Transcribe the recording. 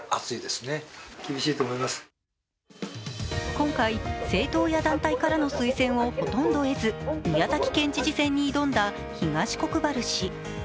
今回、政党や団体からの推薦をほとんど得ず宮崎県知事選に挑んだ東国原氏。